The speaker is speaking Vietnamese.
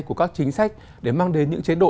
của các chính sách để mang đến những chế độ